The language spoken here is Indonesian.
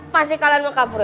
pasti kalian mau kabur